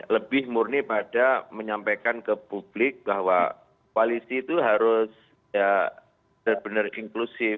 lebih murni pada menyampaikan ke publik bahwa koalisi itu harus ya benar benar inklusif